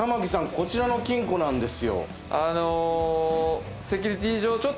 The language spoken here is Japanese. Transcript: こちらの金庫なんですよ。